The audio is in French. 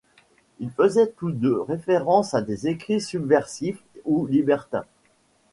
Ils faisaient tous deux référence à des écrits subversifs ou libertins.